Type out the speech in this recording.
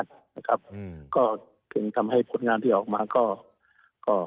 เชิญทำให้ผลงานที่ออกมาก็